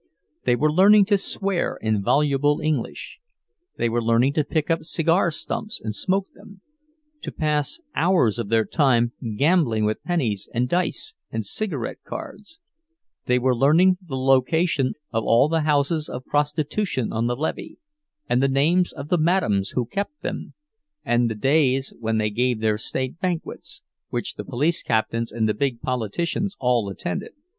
They were learning to swear in voluble English; they were learning to pick up cigar stumps and smoke them, to pass hours of their time gambling with pennies and dice and cigarette cards; they were learning the location of all the houses of prostitution on the "Lêvée," and the names of the "madames" who kept them, and the days when they gave their state banquets, which the police captains and the big politicians all attended.